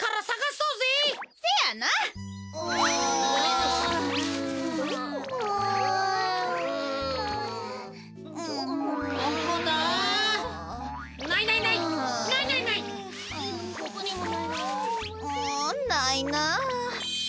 うんないな。